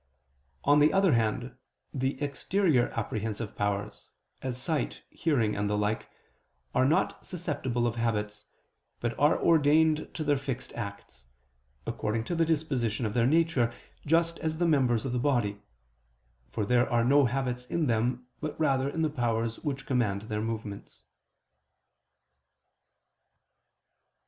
On the other hand the exterior apprehensive powers, as sight, hearing and the like, are not susceptible of habits, but are ordained to their fixed acts, according to the disposition of their nature, just as the members of the body, for there are no habits in them, but rather in the powers which command their movements.